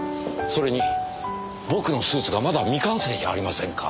それに僕のスーツがまだ未完成じゃありませんか！